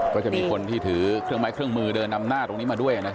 ก็จะมีคนที่ถือเครื่องไม้เครื่องมือเดินนำหน้าตรงนี้มาด้วย